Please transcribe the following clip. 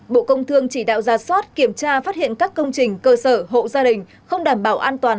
bộ công thương chỉ đạo ra soát kiểm tra phát hiện các công trình cơ sở hộ gia đình không đảm bảo an toàn